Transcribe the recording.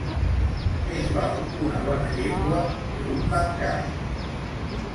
Més val una bona llengua que un bancal.